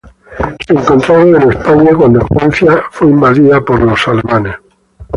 Se encontraron en España cuando Francia fue invadida por Alemania.